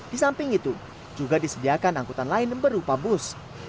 di samping itu juga disediakan angkutan lain berupa bus